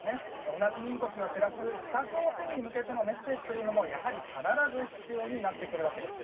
同じ民族が暮らす北朝鮮に向けてのメッセージとういのもやはり必ず必要になってくるわけです。